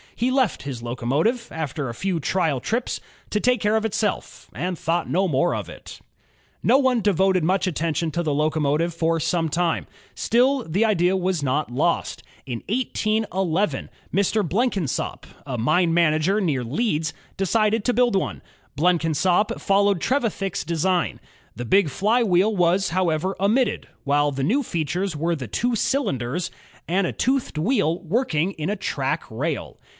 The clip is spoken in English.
He left his locomotive, after a few trial trips, to take care of itself, and thought no more about it. No one devoted much attention to the locomotive for some time. Still, the idea was not lost. In 181 1, Mr. Bleokinsop, a mine manager near Leeds, decided to* build one. Blenkinsop followed Trevithick's design. The big flywheel was, however, omitted, while the new features were the two cylinders and a toothed wheel working in a rack rail.